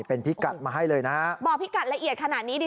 เป็นพิกัดมาให้เลยนะฮะบอกพี่กัดละเอียดขนาดนี้ดี